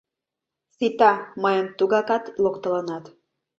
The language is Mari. Сита, мыйым тугакат локтылынат!